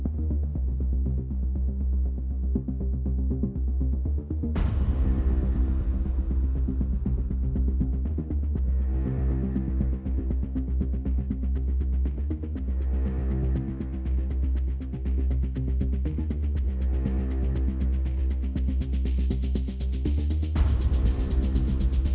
ก่อนจะอุ้มเธอแล้วนายตี้หลุมรถแยกกันไปคนละคัน